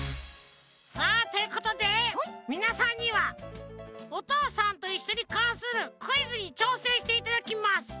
さあということでみなさんには「おとうさんといっしょ」にかんするクイズにちょうせんしていただきます。